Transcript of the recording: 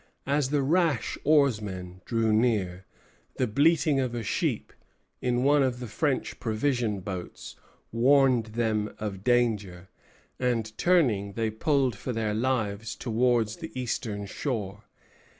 As the rash oarsmen drew near, the bleating of a sheep in one of the French provision boats warned them of danger; and turning, they pulled for their lives towards the eastern shore.